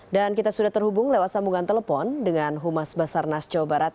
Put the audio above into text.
dan kita sudah terhubung lewat sambungan telepon dengan humas basarnas jawa barat